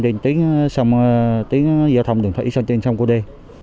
trên tuyến giao thông đường thủy sang trên sông cô đê